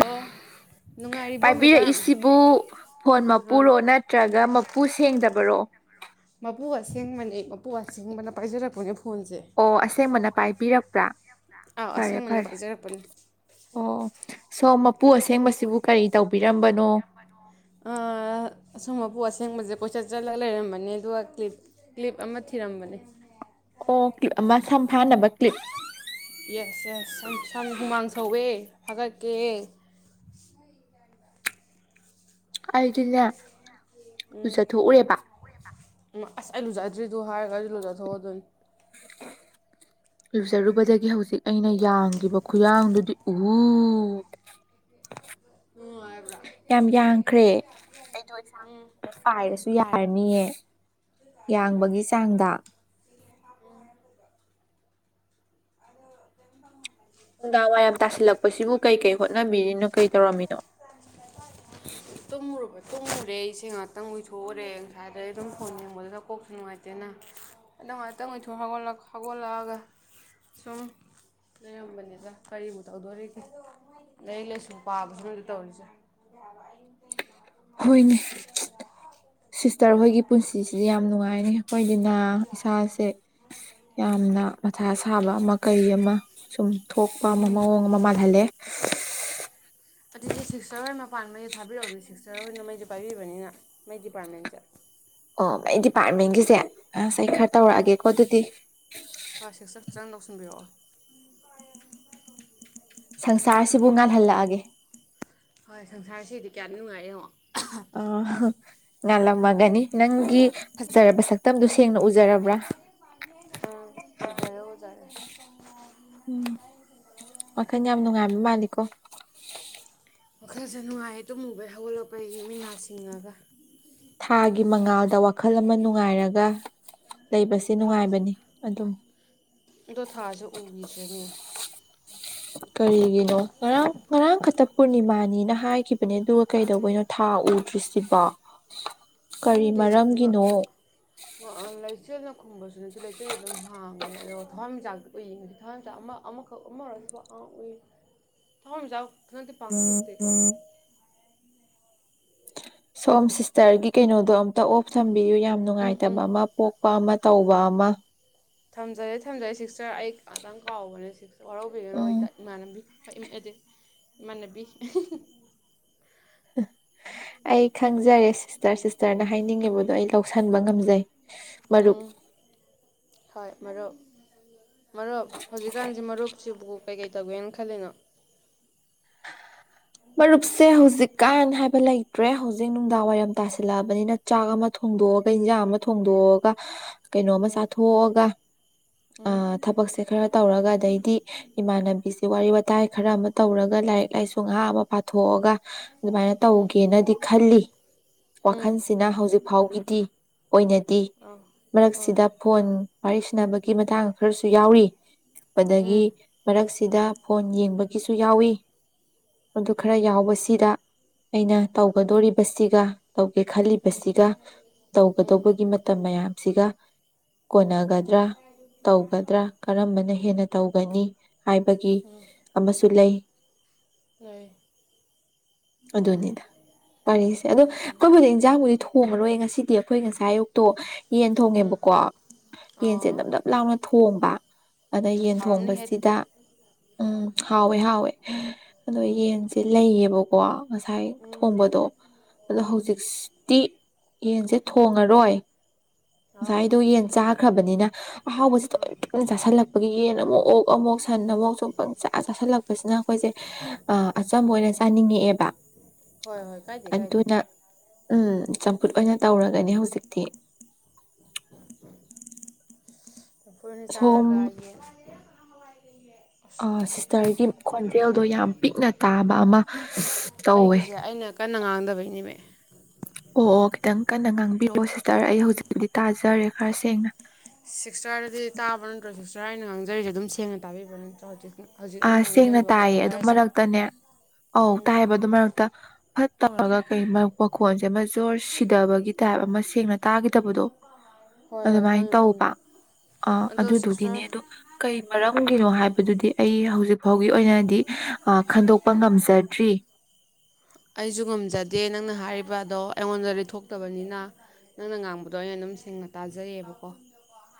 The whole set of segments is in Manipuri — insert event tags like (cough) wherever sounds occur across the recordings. ꯑꯣ ꯅꯨꯡꯉꯥꯏꯔꯤꯕꯣ ꯃꯦꯗꯥꯝ ꯄꯥꯏꯕꯤꯔꯛꯏꯁꯤꯕꯨ ꯐꯣꯟ ꯑꯥ ꯃꯄꯨꯔꯣ ꯅꯠꯇ꯭ꯔꯒ ꯃꯞ ꯄꯨ ꯁꯦꯡꯗꯕꯔꯣ ꯃꯄꯨ ꯑꯁꯦꯡꯕꯅꯦ ꯃꯄꯨ ꯑꯁꯦꯡꯕꯅ ꯄꯥꯏꯖꯔꯛꯄꯅꯦ ꯐꯣ ꯑꯣ ꯑꯁꯦꯡꯕꯅ ꯄꯥꯏꯕꯤꯔꯛꯄ꯭ꯔꯥ ꯑꯥꯎ ꯐꯔꯦ ꯑꯁꯦꯡꯕꯅ ꯐꯔꯦ ꯄꯥꯏꯖꯔꯛꯄꯅꯦ ꯑꯣ ꯁꯣꯝ ꯃꯄꯨ ꯑꯁꯦꯡꯕꯁꯤꯕꯨ ꯀꯔꯤ ꯇꯧꯕꯤꯔꯝꯕꯅꯣ ꯑ ꯑꯁꯪ ꯃꯄꯨ ꯑꯁꯦꯡꯕꯁꯦ ꯀꯣꯏꯆꯠ ꯆꯠꯂ ꯂꯩꯔꯝꯕꯅꯦ ꯑꯗꯨꯒ ꯀ꯭ꯂꯤꯞ ꯀ꯭ꯂꯤꯞ ꯑꯃ ꯊꯤꯔꯝꯕꯅꯦ ꯑꯣ ꯀ꯭ꯂꯤꯞ ꯃꯁꯝ ꯐꯥꯅꯕ ꯀ꯭ꯂꯤꯞ ꯌꯦꯁ ꯌꯦꯁ ꯁꯝ ꯁꯝ ꯍꯨꯃꯥꯡ ꯁꯧꯋꯦ ꯐꯥꯒꯠꯀꯦ ꯑꯩꯗꯤꯅꯦ ꯎꯝ ꯂꯨꯖꯊꯣꯛꯎꯔꯦꯕꯥ ꯎꯝ ꯑꯁ ꯑꯩ ꯂꯨꯖꯗ꯭ꯔꯤꯗꯨ ꯍꯥꯏꯔꯒ ꯑꯩꯖꯨ ꯂꯨꯖꯊꯣꯛꯎꯗꯣꯏꯅꯤ (inaudible) ꯂꯨꯖꯔꯨꯕꯗꯒꯤ ꯍꯧꯖꯤꯛ ꯑꯩꯅ ꯌꯥꯡꯈꯤꯕ ꯈꯨꯌꯥꯡꯗꯨꯗꯤ ꯎꯍꯨ ꯅꯨꯡꯉꯥꯏꯕ꯭ꯔꯥ ꯌꯥꯝ ꯌꯥꯡꯈ꯭ꯔꯦ ꯑꯩꯗꯣ ꯏꯁꯥ ꯉꯥꯛꯇ ꯄꯥꯏꯔꯁꯨ ꯌꯥꯔꯅꯤꯌꯦ ꯌꯥꯡꯕꯒꯤ ꯆꯥꯡꯗ ꯅꯨꯡꯗꯥꯡꯋꯥꯏꯔꯝ ꯇꯥꯁꯤꯜꯂꯛꯄꯁꯤꯕꯨ ꯀꯩ ꯀꯩ ꯍꯣꯠꯅꯕꯤꯔꯤꯅꯣ ꯀꯩ ꯇꯧꯔꯝꯃꯤꯅꯣ ꯇꯨꯝꯃꯨꯔꯕꯣ ꯇꯣꯛ ꯨꯊꯣꯛꯎꯔꯦ ꯑꯩꯁꯦ ꯉꯥꯇꯪ ꯎꯏꯊꯣꯛꯎꯔꯦ ꯉꯁꯥꯏꯗꯩ ꯑꯗꯨꯝ ꯐꯣꯟ ꯌꯦꯡꯕꯗꯨꯗ ꯀꯣꯛꯁꯨ ꯅꯨꯡꯉꯥꯏꯇꯦꯅ ꯑꯗꯣ ꯉꯥꯇꯪ ꯂꯩꯊꯣꯛ ꯍꯧꯒꯠꯂꯛ ꯍꯧꯒꯠꯂꯛꯑꯒꯥ ꯁꯨꯝ ꯂꯩꯔꯝꯕꯅꯤꯗ ꯀꯔꯤꯕꯨ ꯇꯧꯗꯣꯔꯤꯒꯦ ꯂꯥꯏꯔꯤꯛ ꯂꯥꯏꯁꯨ ꯄꯥꯕꯁꯨ ꯅꯠꯇꯦ ꯇꯧꯔꯤꯁꯦ ꯌꯥꯕ ꯑꯍꯤꯡ ꯍꯣꯏꯅꯦ ꯁꯤꯁꯇ꯭ꯔ ꯍꯣꯏꯒꯤ ꯄꯨꯟꯁꯤꯁꯦ ꯌꯥꯝ ꯅꯨꯡꯉꯥꯏꯔꯦ ꯑꯩꯈꯣꯏꯗꯤꯅꯥ ꯏꯁꯥꯁꯦ ꯌꯥꯝꯅ ꯃꯊꯥ ꯁꯥꯕ ꯑꯃ ꯀꯩ ꯑꯃ ꯁꯨꯝ ꯊꯣꯛꯄ ꯑꯃ ꯃꯑꯣꯡ ꯑꯃ ꯃꯥꯜꯍꯜꯂꯦ ꯑꯗꯨꯗꯤ ꯁꯤꯁꯇ꯭ꯔ ꯍꯣꯏ ꯃꯄꯥꯟ ꯃꯩ ꯊꯥꯕꯤꯔꯛꯑꯣꯗ ꯁꯤꯁꯇ꯭ꯔ ꯍꯣꯏꯅ ꯃꯩꯖꯦ ꯄꯥꯏꯕꯤꯕꯅꯤꯅ ꯃꯩ ꯗꯤꯄꯥ꯭ꯔꯠꯃꯦꯟꯖꯦ ꯑꯣ ꯑꯩ ꯗꯤꯄꯥ꯭ꯔꯠꯃꯦꯟꯒꯤꯁꯦ ꯑꯁ ꯑꯩ ꯈꯔ ꯇꯧꯔꯛꯑꯒꯦꯀꯣ ꯑꯗꯨꯗꯤ ꯍꯥ ꯁꯤꯁꯇ꯭ꯔ ꯆꯪ ꯗꯧꯁꯤꯟꯕꯤꯔꯛꯑꯣ (unintelligible) ꯁꯪꯁꯥꯔꯁꯤꯕꯨ ꯉꯥꯜꯍꯜꯂꯛꯑꯒꯦ ꯍꯣꯏ ꯁꯪꯁꯥꯔꯁꯤꯗꯤ ꯀꯌꯥꯗꯤ ꯅꯨꯡꯉꯥꯏꯔꯦ ꯌꯦꯡꯉꯣ ꯑ ꯍꯥ ꯉꯥꯜꯂꯝꯃꯒꯅꯤ ꯅꯪꯒꯤ ꯐꯖꯔꯕ ꯁꯛꯇꯝꯗꯨ ꯁꯦꯡꯅ ꯎꯖꯔꯕ꯭ꯔꯥ ꯑ ꯎꯖꯔꯦ ꯎꯖꯔꯦ ꯋꯥꯈꯟ ꯌꯥꯝ ꯅꯨꯡꯉꯥꯏꯕ ꯃꯥꯜꯂꯤꯀꯣ ꯋꯥꯈꯜꯖꯦ ꯅꯨꯡꯉꯥꯏꯌꯦ ꯇꯨꯝꯃꯨꯕꯩ ꯍꯧꯒꯠꯂꯛꯄꯒꯤ ꯃꯤꯠ ꯅꯥ ꯁꯤꯡꯉꯒꯥ ꯊꯥꯒꯤ ꯃꯉꯥꯜꯗ ꯋꯥꯈꯜ ꯑꯃ ꯅꯨꯡꯉꯥꯏꯔꯒ ꯂꯩꯕꯁꯦ ꯊꯥꯁꯦ ꯅꯨꯡꯉꯥꯏꯕꯅꯤ ꯑꯗꯨꯝ ꯑꯗꯣ ꯊꯥꯁꯦ ꯎꯈꯤꯗ꯭ꯔꯅꯦ ꯀꯔꯤꯒꯤꯅꯣ ꯉꯔꯥꯡ ꯉꯔꯥꯡꯈꯠꯇ ꯄꯨꯔꯅꯤꯃꯥꯅꯤꯅ ꯍꯥꯏꯈꯤꯕꯅꯦ ꯑꯗꯨꯒ ꯀꯩꯗꯧꯕꯩꯅꯣ ꯊꯥ ꯎꯗ꯭ꯔꯤꯁꯤꯕ ꯀꯔꯤ ꯃꯔꯝꯒꯤꯅꯣ ꯉꯑꯥ ꯂꯩꯆꯤꯜꯅ ꯈꯨꯝꯕꯁꯨ ꯅꯠꯇꯦ ꯂꯩꯆꯤꯜ ꯑꯗꯨꯝ ꯍꯥꯡꯉꯦ ꯑꯗꯣ ꯊꯋꯥꯟꯃꯤꯆꯥꯛꯇ ꯂꯣꯏ ꯌꯦꯡꯉꯗꯤ ꯊꯋꯥꯟꯃꯤꯆꯥꯛ ꯑꯃ ꯑꯃꯈꯛ ꯑꯃꯔꯥ ꯁꯤꯕꯣ ꯑ ꯎꯏ ꯊꯋꯥꯟꯃꯤꯆꯥꯛ ꯍꯟꯗꯛꯇꯤ ꯄꯥꯛ ꯊꯣꯛꯇꯦꯀꯣ ꯁꯣꯝ ꯁꯤꯁꯇ꯭ꯔꯒꯤ ꯀꯩꯅꯣꯗꯣ ꯑꯝꯇ ꯑꯣꯐ ꯊꯝꯕꯤꯌꯨ ꯌꯥꯝ ꯎꯝ ꯎꯝ ꯅꯨꯡꯉꯥꯏꯇꯕ ꯑꯃ ꯄꯣꯛꯄ ꯑꯃ ꯇꯧꯕ ꯑꯃ ꯊꯝꯖꯔꯦ ꯊꯝꯖꯔꯦ ꯁꯤꯛꯁꯇ꯭ꯔ ꯑꯩ ꯉꯥꯇꯪ ꯀꯥꯎꯕꯅꯦ ꯁꯤ ꯋꯥꯔꯧꯕꯤꯒꯅꯣ ꯎꯝ ꯑꯩꯗ ꯏꯃꯥꯟꯅꯕꯤ ꯍꯣꯏ ꯏꯝ ꯑꯩꯗꯦ ꯏꯃꯥꯟꯅꯕꯤ ꯑꯩ ꯈꯪꯖꯔꯦ ꯁꯤꯁꯇ꯭ꯔ ꯁꯤꯁꯇ꯭ꯔꯅ ꯍꯥꯏꯅꯤꯡꯂꯤꯕꯗꯣ ꯑꯩ ꯂꯧꯁꯟꯕ ꯉꯝꯖꯩ ꯃꯔꯨꯞ ꯎꯝ ꯍꯣꯏ ꯃꯔꯨꯞ ꯃꯔꯨꯞ ꯍꯧꯖꯤꯛꯀꯥꯟꯖꯤ ꯃꯔꯨꯞ ꯁꯤꯕꯨ ꯀꯩ ꯀꯩ ꯇꯧꯒꯦꯅ ꯈꯜꯂꯤꯅꯣ ꯃꯔꯨꯞꯁꯦ ꯍꯧꯖꯤꯛꯀꯥꯟ ꯍꯥꯏꯕ ꯂꯩꯇ꯭ꯔꯦ ꯍꯧꯖꯤꯛ ꯅꯨꯡꯗꯥꯡ ꯋꯥꯏꯔꯝ ꯇꯥꯁꯤꯜꯂꯛꯑꯕꯅꯤꯅ ꯆꯥꯛ ꯑꯃ ꯊꯣꯡꯗꯣꯛꯑꯒ ꯏꯟꯖꯥꯡ ꯑꯃ ꯊꯣꯡꯗꯣꯛꯑꯒ ꯀꯩꯅꯣꯝꯃ ꯎꯝ ꯆꯥꯊꯣꯛꯑꯒ ꯑ ꯎꯝ ꯊꯕꯛꯁꯦ ꯈꯔ ꯇꯧꯔꯒ ꯑꯗꯩꯗꯤ ꯏꯃꯥꯟꯅꯕꯤꯁꯤ ꯋꯥꯔꯤ ꯋꯥꯇꯥꯏ ꯈꯔ ꯑꯃ ꯇꯧꯔꯒ ꯂꯥꯏꯔꯤꯛ ꯂꯥꯏꯁꯨ ꯉꯍꯥꯛ ꯑꯃ ꯄꯥꯊꯣꯛꯑꯒ ꯑꯗꯨꯃꯥꯏꯅ ꯎꯝ ꯇꯧꯒꯦꯅꯗꯤ ꯈꯜꯂꯤ ꯎꯝ ꯋꯥꯈꯜꯁꯤꯅ ꯍꯧꯖꯤꯛ ꯐꯥꯎꯒꯤꯗꯤ ꯑꯣꯏꯅꯗꯤ ꯑꯧ ꯑꯧ ꯃꯔꯛꯁꯤꯗ ꯐꯣꯟ ꯋꯥꯔꯤ ꯁꯅꯥꯕꯒꯤ ꯃꯇꯥꯡ ꯈꯔꯁꯨ ꯌꯥꯎꯔꯤ ꯄꯗꯒꯤ ꯎꯝ ꯃꯔꯛꯁꯤꯗ ꯐꯣꯟ ꯌꯦꯡꯕꯒꯤꯁꯨ ꯌꯥꯎꯋꯤ ꯑꯗꯨ ꯈꯔ ꯎꯝ ꯌꯥꯎꯕꯁꯤꯗ ꯑꯩꯅ ꯇꯧꯒꯗꯣꯔꯤꯕꯁꯤꯒ ꯇꯧꯒꯦ ꯈꯜꯂꯤꯕꯁꯤꯒ ꯎꯝ ꯇꯧꯒꯗꯧꯕꯒꯤ ꯃꯇꯝ ꯃꯌꯥꯝꯁꯤꯒ ꯎꯝ ꯀꯣꯟꯅꯒꯗ꯭ꯔꯥ ꯇꯧꯒꯗ꯭ꯔꯥ ꯀꯔꯝꯕꯅ ꯍꯦꯟꯅ ꯇꯧꯒꯅꯤ ꯍꯥꯏꯕꯒꯤ ꯑꯃꯁꯨ ꯂꯩ ꯎꯝ ꯑꯗꯨꯅꯤꯗ ꯋꯥꯔꯤꯁꯦ ꯑꯗꯣ ꯑꯩꯈꯣꯏꯕꯨꯗ ꯏꯟꯖꯥꯡꯕꯨꯗꯤ ꯊꯣꯡꯉꯔꯣꯏ ꯉꯁꯤꯗꯤ ꯑꯩꯈꯣꯏ ꯉꯁꯥꯏ ꯑꯌꯨꯛꯇꯣ ꯌꯦꯟ ꯎꯝ ꯊꯣꯡꯉꯦꯕꯀꯣ ꯌꯦꯟꯁꯦ ꯑꯣ ꯑꯗꯨꯝ ꯂꯞ ꯂꯥꯎꯅ ꯊꯣꯡꯕ ꯑꯗꯩꯩ ꯑꯁ ꯌꯦꯟ ꯍꯥꯎꯔꯝꯅꯤꯍꯦ ꯑꯗꯨꯗꯤ ꯊꯣꯡꯕꯁꯤꯗ ꯎꯝ ꯍꯥꯎꯋꯦ ꯍꯥꯎꯋꯦ ꯑꯗꯣ ꯌꯦꯟꯁꯦ ꯂꯩꯌꯦꯕꯀꯣ ꯉꯁꯥꯏ ꯎꯝ ꯊꯣꯡꯕꯗꯣ ꯑꯗꯣ ꯎꯝ ꯍꯧꯖꯤꯛꯁꯇꯤ ꯌꯦꯟꯁꯦ ꯊꯣꯡꯉꯔꯣꯏ ꯑꯥ ꯉꯁꯥꯏꯗꯣ ꯌꯦꯟ ꯆꯥꯈ꯭ꯔꯕꯅꯤꯅ ꯑꯍꯥꯎꯕꯁꯦ ꯇꯣꯏꯅ ꯇꯣꯏꯅ ꯆꯥꯥꯁꯜꯂꯛꯄꯒꯤ ꯌꯦꯟ ꯑꯃꯨꯛ ꯑꯣꯛ ꯑꯃꯨꯛ ꯁꯟ ꯑꯃꯨꯛ ꯁꯨꯝ ꯄꯪ ꯆꯥ ꯆꯥꯁꯜꯂꯛꯄꯁꯤꯅ ꯑꯩꯈꯣꯏꯁꯦ ꯑꯆꯝꯕ ꯑꯣꯏꯅ ꯆꯥꯅꯤꯡꯉꯛꯑꯦꯕ ꯍꯣꯏ ꯍꯣꯏ ꯀꯥꯏꯗꯦ ꯀꯥꯏꯗꯦ ꯑꯗꯨꯅ ꯎꯝ ꯆꯝꯐꯨꯠ ꯑꯣꯏꯅ ꯇꯧꯔꯒꯅꯤ ꯍꯧꯖꯤꯛꯇꯤ ꯄꯨꯅꯤ ꯁꯣꯝ ꯆꯥꯔꯒ ꯑꯥ ꯁꯤꯁꯇꯔꯒꯤ ꯈꯣꯟꯖꯦꯜꯗꯣ ꯌꯥꯝ ꯄꯤꯛꯅ ꯇꯥꯕ ꯑꯃ ꯇꯧꯋꯦ ꯑꯩꯒꯤꯖꯦ ꯑꯩꯅ ꯀꯟꯅ ꯉꯥꯡꯗꯕꯩꯅꯦꯃꯦ ꯑꯣ ꯑꯣ ꯈꯤꯇꯪ ꯀꯟꯅ ꯉꯥꯡꯕꯤꯔꯑꯣ ꯁꯤꯁꯇꯔ ꯑꯩ ꯍꯧꯖꯤꯛꯀꯤꯗꯤ ꯇꯥꯖꯔꯦ ꯈꯔ ꯁꯦꯡꯅ ꯁꯤꯛꯁꯇ꯭ꯔ ꯑꯗꯨꯗꯤ ꯇꯥꯕ ꯅꯠꯇ꯭ꯔꯣ ꯁꯤꯁꯇ꯭ꯔ ꯑꯩꯅ ꯉꯥꯡꯖꯔꯤꯖꯦ ꯑꯗꯨꯝ ꯁꯦꯡꯅ ꯇꯥꯕꯤꯕ ꯅꯠꯇ꯭ꯔꯣ ꯍꯧꯖꯤꯛ ꯍꯧꯖꯤꯛ ꯑ ꯑꯩꯅ ꯁꯦꯡꯅ ꯉꯥꯡꯖꯔꯤꯕ ꯇꯥꯏꯌꯦ ꯋꯥꯍꯩ ꯑꯗꯨ ꯈꯔꯁꯦ ꯃꯔꯛꯇꯅꯦ ꯑꯧ ꯎꯝ ꯇꯥꯏꯕ ꯑꯗꯨ ꯃꯔꯛꯇ ꯐꯠꯇꯧꯔꯒ ꯀꯩ ꯃꯈꯣꯟꯁꯦ ꯑꯃ ꯖꯣꯔ ꯁꯤꯗꯕꯒꯤ ꯇꯥꯏꯞ ꯑꯃ ꯁꯦꯡꯅ ꯇꯥꯈꯤꯗꯕꯗꯣ ꯍꯣꯏ ꯍꯣꯏ ꯑꯗꯨꯃꯥꯏꯅ ꯈꯪꯉꯤ ꯇꯧꯕ ꯈꯪꯉꯤ ꯑ ꯑꯗꯣ ꯑꯗꯨꯗꯨꯒꯤꯅꯦ ꯁꯤꯁꯇꯔ ꯑꯗꯨ ꯀꯩ ꯃꯔꯝꯒꯤꯅꯣ ꯍꯥꯏꯕꯗꯨꯗꯤ ꯑꯩ ꯍꯧꯖꯤꯛ ꯐꯥꯎꯒꯤ ꯑꯣꯏꯅꯗꯤ ꯈꯟꯗꯣꯛ ꯀꯄ ꯉꯝꯖꯗ꯭ꯔꯤ ꯑꯩꯁꯨ ꯉꯝꯖꯗꯦ ꯅꯪꯅ ꯍꯥꯏꯔꯤꯕ ꯑꯗꯣ ꯑꯩꯉꯣꯟꯗ ꯂꯩꯊꯣꯛꯇꯕꯅꯤꯅ ꯅꯪꯅ ꯉꯥꯡꯕꯗꯣ ꯑꯩꯅ ꯑꯗꯨꯝ ꯁꯦꯡꯅ ꯇꯥꯖꯩꯑꯕꯀꯣ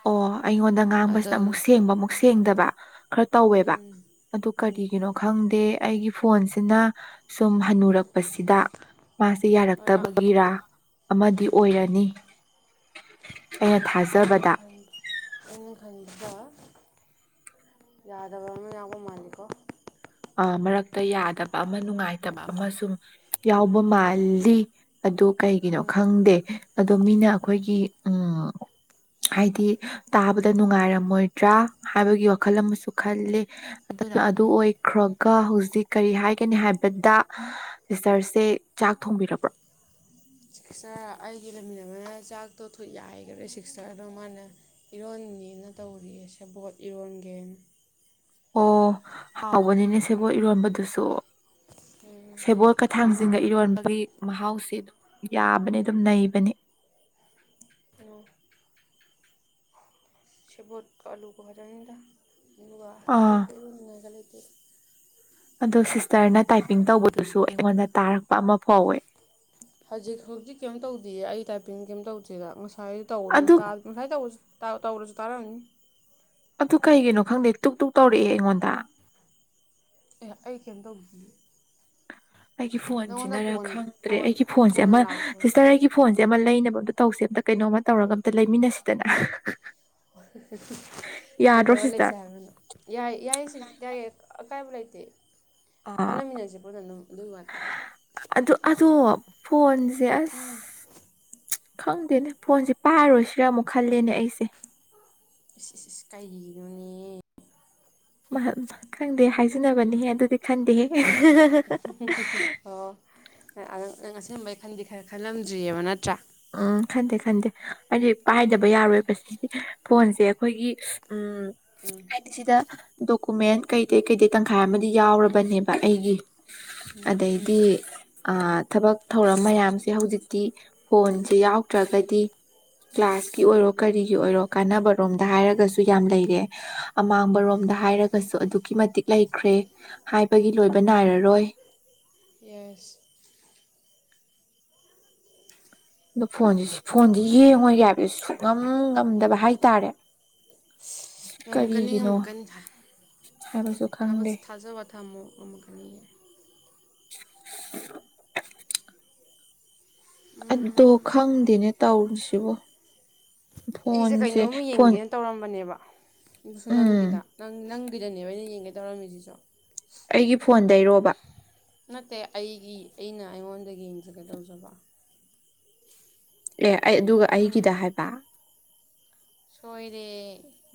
ꯑꯣ ꯑꯩꯉꯣꯟꯗ ꯉꯥꯡꯕꯁꯤꯅ ꯑꯃꯨꯛ ꯁꯦꯡꯕ ꯑꯃꯨꯛ ꯁꯦꯡꯗꯕ ꯈꯔ ꯇꯧꯋꯦꯕ ꯎꯝ ꯑꯗꯨ ꯀꯔꯤꯒꯤꯅꯣ ꯈꯪꯗꯦ ꯑꯩꯒꯤ ꯐꯣꯟꯁꯤꯅ ꯁꯨꯝ ꯍꯟꯅꯨꯔꯛꯄꯁꯤꯗ ꯃꯥꯁꯦ ꯍꯣꯏ ꯑꯥ ꯌꯥꯔꯛꯇꯕꯒꯤꯔ ꯑꯃꯗꯤ ꯑꯣꯏꯔꯅꯤ ꯑꯩꯅ ꯑꯩꯅ ꯊꯥꯖꯕꯗ ꯈꯟꯂꯤ ꯑꯩꯅ ꯈꯟꯕꯗ ꯌꯥꯗꯕ ꯑꯃ ꯌꯥꯎꯕ ꯃꯥꯜꯂꯤꯀꯣ ꯑꯥ ꯃꯔꯛꯇ ꯌꯥꯗꯕ ꯑꯃ ꯅꯨꯡꯉꯥꯏꯇꯕ ꯁꯨꯝ ꯌꯥꯎꯕ ꯎꯝ ꯃꯥꯜꯂꯤ ꯑꯗꯨ ꯀꯩꯒꯤꯅꯣ ꯈꯪꯗꯦ ꯑꯗꯣ ꯃꯤꯅ ꯑꯩꯈꯣꯏꯒꯤ ꯎꯝ ꯍꯥꯏꯗꯤ ꯇꯥꯕꯗ ꯅꯨꯡꯉꯥꯏꯔꯝꯃꯣꯏꯗ꯭ꯔꯥ ꯍꯥꯏꯕꯒꯤ ꯋꯥꯈꯜ ꯑꯃꯁꯨ ꯈꯜꯂꯤ ꯑꯗꯨꯅ ꯑꯗꯨ ꯑꯣꯏ ꯆꯠꯈ꯭ꯔꯒ ꯍꯧꯖꯤꯛ ꯀꯔꯤ ꯍꯥꯏꯒꯅꯤ ꯍꯥꯏꯕꯗ ꯁꯤꯁꯇꯔꯁꯦ ꯆꯥꯛ ꯊꯣꯡꯕꯤꯔꯕ꯭ꯔꯣ (unintelligible) ꯁꯤꯛꯁꯇꯔ ꯑꯩꯒꯤ ꯂꯝꯃꯤꯟꯅꯕꯏ ꯆꯥꯛꯇꯣ ꯌꯥꯏꯈꯔꯦ ꯁꯤꯛꯁꯇꯔꯗꯣ ꯑꯃꯥꯅ ꯏꯔꯣꯟꯒꯦꯅ ꯇꯧꯔꯤꯌꯦ ꯁꯦꯕꯣꯠ ꯏꯔꯣꯟꯒꯦꯅ ꯑꯣ ꯍꯥꯎꯕꯅꯤꯅꯦ ꯁꯦꯕꯣꯠ ꯏꯔꯣꯟꯕꯗꯨꯁꯨ ꯎꯝ ꯀ ꯊꯥꯡꯁꯤꯡꯒ ꯏꯔꯣꯟꯕꯒꯤ ꯃꯍꯥꯎꯁꯦ ꯑꯗꯨꯝ ꯌꯥꯕꯅꯤ ꯑꯗꯨꯝ ꯅꯩꯕꯅꯤ ꯑꯝ ꯁꯦꯕꯣꯠ ꯑꯂꯨꯒ ꯈꯥꯛꯇꯅꯤꯗ ꯑꯗꯨꯒ ꯑꯥ ꯑꯇꯣꯞꯄ ꯅꯨꯡꯉꯥꯏ ꯢꯔꯣꯟ ꯅꯤꯡꯉꯥꯢꯒ ꯂꯩꯇꯦꯗ ꯑꯗꯣ ꯁꯤꯁꯇꯔꯅ ꯇꯥꯏꯄꯤꯡ ꯇꯧꯕꯗꯨꯁꯨ ꯑꯩꯉꯣꯟꯗ ꯇꯥꯔꯛꯄ ꯑꯃ ꯐꯥꯎꯋꯦ ꯍꯧꯖꯤꯛ ꯍꯧꯖꯤꯛ ꯀꯩꯝ ꯇꯧꯗꯦꯌꯦ ꯑꯩ ꯇꯥꯏꯄꯤꯡ ꯀꯩꯝ ꯇꯧꯗꯦꯗ ꯉꯁꯥꯏ ꯑꯗꯨ ꯇꯧꯕꯗ ꯉꯥꯁꯥꯏ ꯇꯧꯕꯁꯨ ꯇꯥꯎ ꯇꯧꯔꯁꯨ ꯇꯔꯥꯝꯅꯤ ꯑꯗꯨ ꯀꯩꯒꯤꯅꯣ ꯈꯪꯗꯦ ꯇꯨꯛ ꯇꯨꯛ ꯇꯧꯔꯛꯑꯦ ꯑꯩꯉꯣꯟꯗ ꯑꯦ ꯑꯩ ꯀꯩꯝ ꯇꯧꯈꯤꯒꯦ ꯑꯩꯒꯤ ꯐꯣꯟꯁꯤꯅꯔ ꯀꯣꯟ ꯈꯪꯗ꯭ꯔꯦ ꯀꯣꯟ ꯑꯩꯒꯤ ꯐꯣꯟꯁꯦ ꯀꯣꯟꯅ ꯑꯃ ꯂꯥꯛꯄꯅꯦ ꯁꯤꯁꯇꯔ ꯑꯩꯒꯤ ꯐꯣꯟꯁꯦ ꯑꯃ ꯂꯩꯅꯕ ꯑꯝꯇ ꯇꯧꯁꯦ ꯑꯝꯇ ꯀꯩꯅꯣꯝꯃ ꯇꯧꯔꯒ ꯑꯝꯇ ꯂꯩꯃꯤꯟꯅꯁꯤꯗꯅ ꯌꯥꯗ꯭ꯔꯣ ꯀꯩꯗꯧꯔ ꯁꯤꯁꯇꯔ ꯂꯩꯁꯦ ꯍꯥꯏꯕꯅꯣ ꯌꯥꯏ ꯌꯥꯏ ꯁꯤ ꯌꯥꯏ ꯑꯀꯥꯏꯕ ꯂꯩꯇꯦ ꯑꯥ ꯍꯣꯠꯅꯃꯤꯟꯅꯁꯦ ꯐꯖꯅ ꯑꯗꯨꯝ ꯑꯗꯨꯒꯤ ꯋꯥꯅꯤ ꯑꯗꯨ ꯑꯗꯣ ꯐꯣꯟꯁꯦ ꯑꯁ ꯎꯝ ꯈꯪꯗꯦꯅꯦ ꯐꯣꯟꯁꯦ ꯄꯥꯔꯣꯏꯁꯤꯔꯥ ꯑꯃꯨꯛ ꯈꯜꯂꯦꯅꯦ ꯑꯩꯁꯦ ꯏꯁ ꯢꯁ ꯢꯁ ꯀꯥꯏꯔꯤꯅꯣꯅꯦ ꯈꯪꯗꯦ ꯍꯥꯏꯖꯟꯅꯕꯅꯤꯍꯦ ꯑꯗꯨꯗꯤ ꯈꯪꯗꯦꯍꯦ ꯑꯣ ꯅꯪ ꯑꯁꯦꯡꯕꯩ ꯈꯟꯗꯤ ꯈꯔ ꯈꯜꯂꯝꯗ꯭ꯔꯤꯕ ꯅꯠꯇ꯭ꯔꯥ ꯎꯝ ꯈꯟꯗꯦ ꯈꯟꯗꯦ ꯍꯥꯏꯗꯤ ꯄꯥꯏꯗꯕ ꯌꯥꯔꯣꯏꯕ ꯁꯤꯗꯤ ꯐꯣꯟꯁꯦ ꯑꯩꯈꯣꯏꯒꯤ ꯎꯝ ꯍꯥꯏꯗꯤ ꯁꯤꯗ ꯗꯣꯀꯨꯃꯦꯟ ꯀꯩꯀꯩ ꯀꯩꯀꯩ ꯇꯪꯈꯥꯏ ꯑꯃꯗꯤ ꯌꯥꯎꯔꯕꯅꯦꯕ ꯑꯩꯒꯤ ꯑꯗꯩꯗꯤ ꯑ ꯊꯕꯛ ꯊꯧꯔꯝ ꯃꯌꯥꯝꯁꯦ ꯍꯧꯖꯤꯛꯇꯤ ꯐꯣꯟꯁꯦ ꯌꯥꯎꯗ꯭ꯔꯒꯗꯤ ꯀ꯭ꯂꯥꯁꯀꯤ ꯑꯣꯏꯔꯣ ꯀꯔꯤꯒꯤ ꯑꯣꯏꯔꯣ ꯀꯥꯟꯅꯕꯔꯣꯝꯗ ꯍꯥꯏꯔꯒꯁꯨ ꯌꯥꯝ ꯂꯩꯔꯦ ꯑꯃꯥꯡꯕꯔꯣꯝꯗ ꯍꯥꯏꯔꯒꯁꯨ ꯑꯗꯨꯛꯀꯤ ꯃꯇꯤꯛ ꯂꯩꯈ꯭ꯔꯦ ꯍꯥꯏꯕꯒꯤ ꯂꯣꯏꯕ ꯅꯥꯏꯔꯔꯣꯏ ꯌꯦꯁ ꯑꯗ ꯐꯣꯟꯁꯤ ꯐꯣꯟꯁꯤ ꯌꯦꯡꯉꯣꯏꯒꯦ ꯍꯥꯏꯕꯗ ꯁꯨꯛꯉꯝ ꯉꯝꯗꯕ ꯍꯥꯏꯇꯥꯔꯦ ꯉꯝꯃꯛꯀꯅꯤ ꯀꯔꯤꯒꯤꯅꯣ ꯉꯝꯃꯛꯀꯅꯤ ꯍꯥꯏꯕꯁꯨ ꯊꯕꯛ ꯈꯪꯗꯦ ꯁꯤ ꯊꯥꯖꯕꯥ ꯊꯝꯃꯣ ꯉꯝꯃꯛꯀꯅꯤ ꯑꯗꯣ ꯈꯪꯗꯦꯅꯦ ꯇꯧꯔꯤꯁꯤꯕꯣ ꯑꯩꯁꯦ ꯀꯩꯅꯣꯝꯃ ꯐꯣꯟ ꯌꯦꯡꯒꯦꯅ ꯇꯧꯔꯝꯕꯅꯦꯕ ꯑꯗꯨꯁꯨ ꯎꯝ ꯅꯪꯒꯤꯗ ꯅꯪꯒꯤꯗꯅꯦꯕ ꯑꯩꯅ ꯌꯦꯡꯒꯦ ꯇꯧꯔꯝꯃꯤꯁꯤꯁꯨ ꯑꯩꯒꯤ ꯐꯣꯟꯗꯩꯔꯣꯕ ꯅꯠꯇꯦ ꯑꯩꯒꯤ ꯑꯩꯅ ꯑꯩꯉꯣꯟꯗꯒꯤ ꯌꯦꯡꯖꯒꯦ ꯇꯧꯖꯕ ꯑꯦ ꯑꯩ ꯑꯗꯨꯒ ꯎꯝ ꯑꯩꯒꯤꯗ ꯍꯥꯏꯕ ꯁꯣꯏꯔꯦ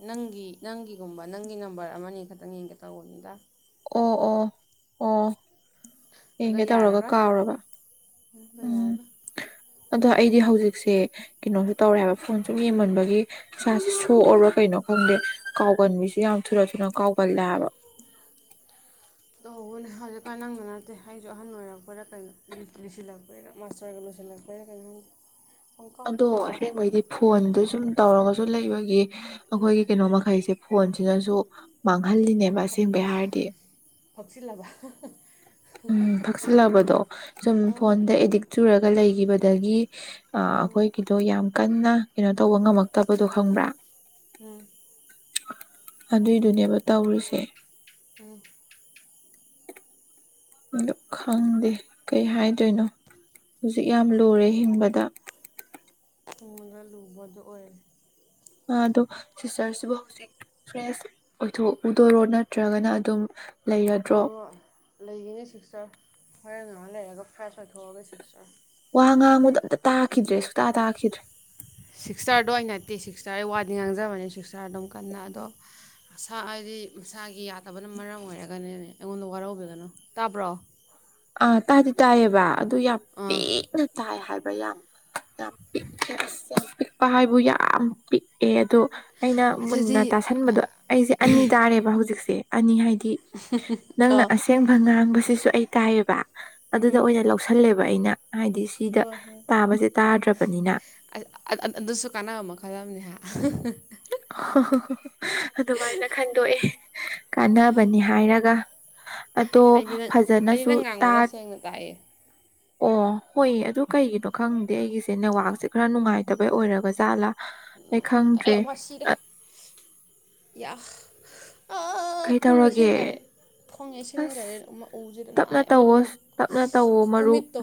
ꯅꯪꯒꯤ ꯅꯪꯒꯤꯒꯨꯝꯕ ꯅꯪꯒꯤ ꯅꯝꯕꯔ ꯑꯃꯅꯤ ꯈꯇꯪ ꯌꯦꯡꯒꯦ ꯇꯧꯕꯅꯤꯗ ꯑꯣ ꯑꯣ ꯑꯣ ꯌꯦꯡꯒꯦ ꯇꯧꯔꯒ ꯀꯥꯎꯔꯕ (unintelligible) ꯎꯝ ꯌꯥꯔꯕ ꯑꯗꯣ ꯑꯩꯗꯤ ꯍꯧꯖꯤꯛꯁꯦ ꯀꯩꯅꯣꯝꯁꯨ ꯎꯝ ꯇꯧꯔꯦꯕ ꯐꯣꯟ ꯁꯨꯝ ꯌꯦꯡꯃꯟꯕꯒꯤ ꯏꯁꯥꯁꯦ ꯁꯣꯛꯑꯕꯔꯥ ꯀꯩꯅꯣ ꯈꯪꯗꯦ ꯀꯥꯎꯒꯟꯕꯤꯁꯦ ꯌꯥꯝ ꯊꯨꯅ ꯊꯨꯅ ꯀꯥꯎꯒꯜꯂꯦꯕ ꯇꯧꯕꯅꯦ ꯍꯧꯖꯤꯛꯀꯥꯟ ꯅꯪꯗ ꯅꯠꯇꯦ ꯑꯩꯁꯨ ꯑꯍꯟ ꯑꯣꯏꯔꯛꯄꯩꯔꯥ ꯀꯩꯅꯣ ꯂꯣꯏꯁꯤꯜꯂꯛꯄꯩꯔꯥ ꯃꯥꯁꯇꯔꯒ ꯂꯣꯏꯁꯤꯜꯂꯛꯄ ꯀꯥꯢꯔꯛꯀꯅꯤ ꯑꯗꯣ ꯑꯁꯦꯡꯕꯩꯗꯤ ꯐꯣꯟꯗ ꯁꯨꯝ ꯇꯧꯔꯒꯁꯨ ꯂꯩꯕꯒꯤ ꯑꯩꯈꯣꯏꯒꯤ ꯀꯩꯅꯣ ꯃꯈꯩꯁꯦ ꯐꯣꯟꯁꯤꯅꯁꯨ ꯃꯥꯡꯍꯜꯂꯤꯅꯦꯕ ꯑꯁꯦꯡꯕꯩ ꯍꯥꯏꯔꯗꯤ ꯐꯛꯆꯤꯜꯂꯕ (unintelligible) ꯀꯛꯁꯤꯜꯂꯕꯗꯣ ꯁꯨꯝ ꯎꯝ ꯐꯣꯟꯗ ꯑꯦꯗꯤꯛ ꯆꯨꯔꯒ ꯂꯩꯒꯤꯕꯗꯒꯤ ꯑ ꯑꯩꯈꯣꯏꯒꯤꯗꯣ ꯌꯥꯝ ꯀꯟꯅ ꯀꯩꯅꯣ ꯇꯧꯕ ꯉꯝꯃꯛꯇꯕꯗꯣ ꯈꯪꯕ꯭ꯔꯥ ꯎꯝ ꯑꯗꯨꯏꯗꯨꯅꯦꯕ ꯇꯧꯔꯤꯁꯦ ꯎꯝ ꯑꯗꯨ ꯈꯪꯗꯦ ꯀꯩ ꯍꯥꯏꯗꯣꯏꯅꯣ ꯍꯧꯖꯤꯛ ꯌꯥꯝ ꯂꯨꯔꯦ ꯍꯤꯡꯕꯗꯥ ꯇꯨꯡꯗ ꯂꯨꯕ ꯑꯗꯨ ꯑꯣꯏꯔꯦ ꯑꯗꯣ ꯁꯤꯁꯇꯔꯁꯤꯕꯨ ꯍꯧꯖꯤꯛ ꯐ꯭ꯔꯦꯁ ꯑꯣꯏꯊꯣꯛꯎꯗꯣꯏꯔꯣ ꯅꯠꯇ꯭ꯔꯒꯅ ꯑꯗꯨꯝ ꯂꯩꯔꯗ꯭ꯔꯣ ꯑꯧ ꯂꯩꯒꯤꯅꯤ ꯁꯤꯛꯁꯇꯔ ꯍꯣꯔꯦꯟ ꯉꯍꯥꯛ ꯂꯩꯔꯒ ꯐ꯭ꯔꯥꯏꯁ ꯑꯣꯏꯊꯣꯛꯑꯒꯦ ꯁꯤꯛꯁꯇꯔ ꯋꯥ ꯉꯥꯡꯕꯗ ꯑꯝꯇ ꯇꯥꯈꯤꯗ꯭ꯔꯦ ꯁꯨꯛꯇꯥ ꯇꯥꯈꯤꯗ꯭ꯔꯦ ꯁꯤꯛꯁꯇꯔꯗꯣ ꯑꯩꯅ ꯅꯠꯇꯦ ꯁꯤꯛꯁꯇꯔ ꯑꯩ ꯋꯥꯗꯤ ꯉꯥꯡꯖꯕꯅꯦ ꯁꯤꯛꯁꯇꯔ ꯑꯗꯨꯝ ꯀꯟꯅ ꯑꯗꯣ ꯁꯥ ꯍꯥꯏꯗꯤ ꯃꯁꯥꯒꯤ ꯌꯥꯗꯕꯅ ꯃꯔꯝ ꯑꯣꯏꯔꯒꯅꯅꯦ ꯑꯩꯉꯣꯟꯗ ꯋꯥꯔꯧꯕꯤꯒꯅꯨ ꯇꯥꯕ꯭ꯔꯣ ꯑꯥ ꯇꯥꯗꯤ ꯇꯥꯏꯌꯦꯕ ꯑꯗꯨ ꯌꯥꯝ ꯑꯥ ꯄꯤꯛꯅ ꯇꯥꯏ ꯍꯥꯏꯕ ꯌꯥꯝ ꯌꯥꯝ ꯄꯤꯛꯅ ꯑꯁ ꯌꯥꯝ ꯄꯤꯛꯄ ꯍꯥꯏꯕꯨ ꯌꯥꯝ ꯄꯤꯛꯑꯦ ꯑꯗꯣ ꯑꯩꯅ ꯑꯗꯨꯗꯤ ꯃꯨꯟꯅ ꯇꯥꯁꯟꯕꯗꯣ ꯑꯩꯁꯦ ꯑꯅꯤ ꯇꯥꯔꯦꯕ ꯍꯧꯖꯤꯛꯁꯦ ꯑꯅꯤ ꯍꯥꯏꯗꯤ ꯅꯪꯅ ꯑꯥ ꯑꯁꯦꯡꯕ ꯉꯥꯡꯕꯁꯤꯁꯨ ꯑꯩ ꯇꯥꯏꯌꯦꯕ ꯑꯗꯨꯗ ꯎꯝ ꯑꯣꯏꯅ ꯂꯧꯁꯜꯂꯦꯕ ꯑꯩꯅ ꯍꯥꯢꯗꯤ ꯏꯗ ꯍꯣꯏ ꯇꯥꯕꯖꯦ ꯇꯥꯗ꯭ꯔꯕꯅꯤꯅ ꯑꯗ ꯑ ꯑ ꯑꯟ ꯑꯗꯨꯁꯨ ꯀꯥꯟꯅꯕ ꯃꯈꯜ ꯑꯃꯅꯤ ꯍꯥ ꯍꯣ ꯍꯣ ꯍꯣ ꯑꯗꯨꯃꯥꯏꯅ ꯈꯟꯗꯣꯛꯑꯦ ꯀꯥꯟꯅꯕꯅꯤ ꯍꯥꯏꯔꯒ ꯑꯗꯣ ꯑꯩꯗꯤ ꯅꯪ ꯑꯩꯗꯤ ꯐꯖꯅꯁꯨ ꯅꯪ ꯉꯥꯡꯕꯗꯣ ꯇꯥ ꯁꯦꯡꯅ ꯇꯥꯏꯌꯦ ꯑꯣ ꯍꯣꯏ ꯑꯗꯨ ꯀꯩꯒꯤꯅꯣ ꯈꯪꯗꯦ ꯑꯩꯒꯤꯁꯦ ꯅꯦꯠꯋꯥꯛꯁꯦ ꯈꯔ ꯅꯨꯡꯉꯥꯏꯇꯕꯩ ꯑꯣꯏꯔꯕ ꯖꯥꯠꯂꯥ ꯑꯩ ꯈꯪꯗ꯭ꯔꯦ ꯑꯌꯣ ꯃꯥ ꯁꯤꯔꯦ ꯑꯌꯥ ꯑꯥ ꯀꯩ ꯈꯣꯡ ꯇꯧꯔꯒꯦ ꯂꯩꯁꯤꯟꯒꯔꯦ ꯈꯣꯡ ꯌꯩꯁꯤꯟꯒꯔꯦ ꯑꯁ ꯎꯁꯤꯗ ꯇꯞꯅ ꯅꯥꯢ ꯇꯧꯋꯣ ꯑꯃꯗꯨꯃꯨꯛ ꯇꯞꯅ ꯇꯧꯋꯣ ꯃꯔꯨꯞ ꯈꯨꯃꯤꯠꯇꯣ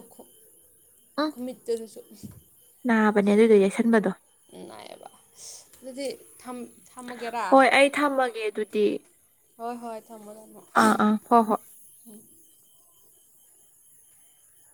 (inaudible) ꯈꯨꯃꯤꯠꯇ ꯗꯨꯁꯨ ꯅꯥꯕꯅꯦ ꯑꯗꯨꯏꯗꯣ ꯌꯩꯁꯟꯕꯗꯣ ꯅꯥꯢꯌꯦꯕ ꯑꯗꯨꯗꯤ ꯊꯝ ꯊꯝꯃꯒꯦꯔꯥ ꯍꯣꯢ ꯊꯝꯃꯒꯦ ꯑꯗꯨꯗꯤ ꯍꯣꯏ ꯍꯣꯏ ꯊꯝꯃꯣ ꯊꯝꯃꯣ ꯑꯥ ꯑꯥ ꯍꯣ ꯍꯣꯏ